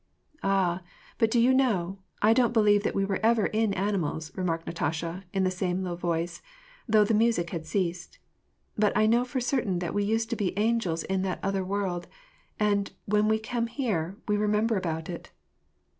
" Ah, but do you know, I don't believe that we were ever in animals," remarked Natasha, in the same low voice, though the music had ceased. '' But I know for certain that we used to be angels in that other world ; and, when we come here, we remember about it."